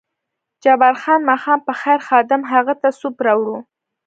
جبار خان: ماښام په خیر، خادم هغه ته سوپ راوړ.